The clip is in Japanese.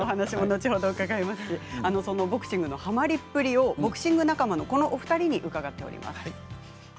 ボクシングへのはまりっぷりをボクシング仲間のお二人に伺っています。